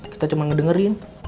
kita cuma ngedengerin